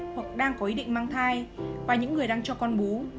hoặc đang có ý định mang thai và những người đang cho con bú